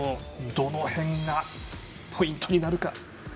どの辺がポイントになるか。